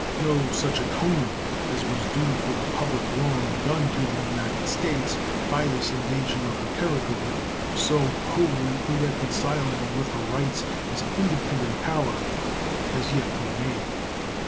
No such atonement as was due for the public wrong done to the United States by this invasion of her territory, so wholly irreconcilable with her rights as an independent power, has yet been made.